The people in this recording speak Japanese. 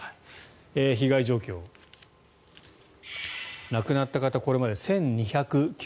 被害状況、亡くなった方これまで１２９０人。